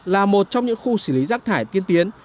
là một trong những khu xử lý rác thải tiên tiến